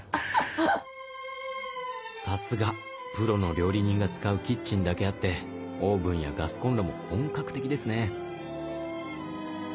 さすがプロの料理人が使うキッチンだけあってオーブンやガスコンロも本格的ですね。